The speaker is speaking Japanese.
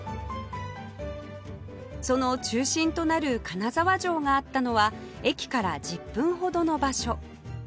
その中心となる金沢城があったのは駅から１０分ほどの場所